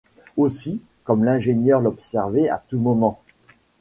Aussi, comme l’ingénieur l’observait à tous moments!